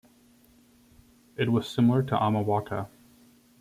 It was similar to Amawaka.